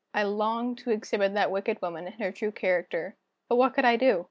I longed to exhibit that wicked woman in her true character but what could I do?